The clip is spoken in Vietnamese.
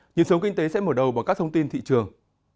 nhiệm sống kinh tế sẽ mở đầu bằng các thông tin thị trường